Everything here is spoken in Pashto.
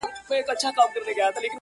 د مرګ په خوب به چېرته ویده یم -